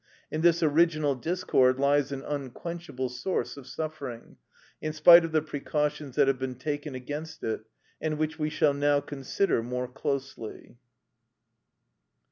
In this original discord lies an unquenchable source of suffering, in spite of the precautions that have been taken against it, and which we shall now consider more closely.